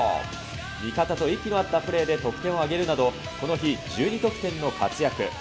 味方と息の合ったプレーで得点を挙げるなど、この日、１２得点の活躍。